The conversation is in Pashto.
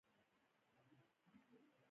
اوح کال په کال.